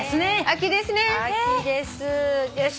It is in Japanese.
秋です。